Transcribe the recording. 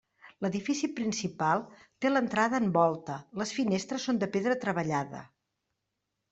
L'edifici principal té l'entrada en volta, les finestres són de pedra treballada.